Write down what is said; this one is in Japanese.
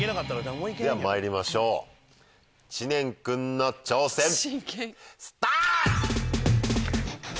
ではまいりましょう知念君の挑戦。